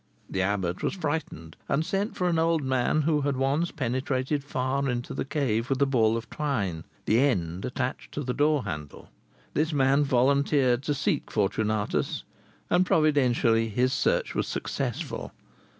The abbot was frightened, and sent for an old man who had once penetrated far into the cave with a ball of twine, the end attached to the door handle. This man volunteered to seek Fortunatus, and providentially his search was successful.